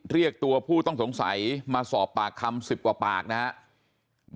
เรียกตัวผู้ต้องสงสัยมาสอบปากคำ๑๐กว่าปากนะครับ